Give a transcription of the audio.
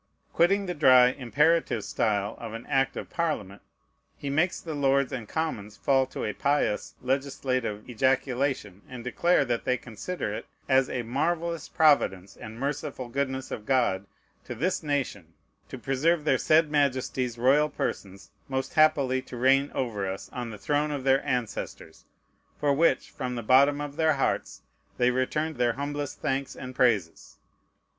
Quitting the dry, imperative style of an act of Parliament, he makes the Lords and Commons fall to a pious legislative ejaculation, and declare that they consider it "as a marvellous providence, and merciful goodness of God to this nation, to preserve their said Majesties' royal persons most happily to reign over us on the throne of their ancestors, for which, from the bottom of their hearts, they return their humblest thanks and praises."